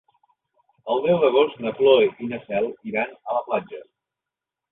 El deu d'agost na Cloè i na Cel iran a la platja.